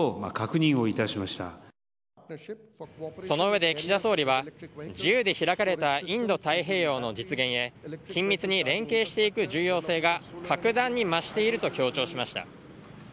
その上で、岸田総理は自由で開かれたインド太平洋の実現へ緊密に連携していく重要性が格段に増していると強調しました。